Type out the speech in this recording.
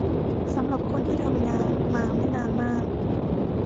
สำหรับคนที่ทำงานมาไม่นานมาก